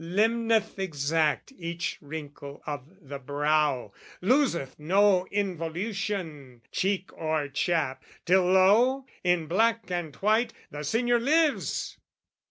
Limneth exact each wrinkle of the brow, Loseth no involution, cheek or chap, Till lo, in black and white, the senior lives!